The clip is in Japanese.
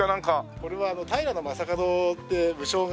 これは平将門って武将が。